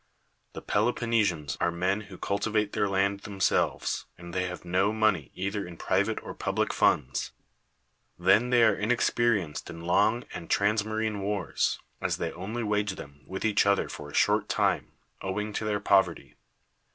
The Peloponnesians are men who cultivate their land themselves; and they have no money either in private or public funds. Then they are inexperienced in long and transmarine wars, as they only wage them with each other for a short time, owing to their poverty.